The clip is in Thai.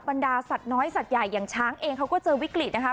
บรรดาสัตว์น้อยสัตว์ใหญ่อย่างช้างเองเขาก็เจอวิกฤตนะคะ